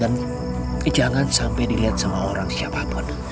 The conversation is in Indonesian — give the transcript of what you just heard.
dan jangan sampai dilihat sama orang siapapun